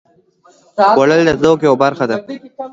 خوړل د ذوق یوه برخه ده